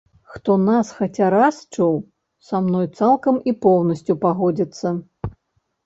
Хто нас хаця раз чуў, са мной цалкам і поўнасцю пагодзіцца.